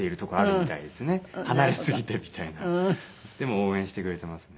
でも応援してくれていますね。